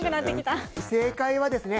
正解はですね